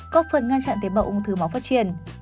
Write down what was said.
có phần ngăn chặn tế bào ung thư máu phát triển